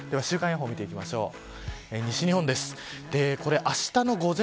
では週間予報を見ていきましょう。